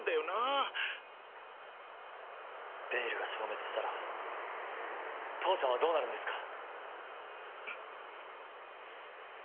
ベイルが消滅したら父ちゃんはどうなるんですか？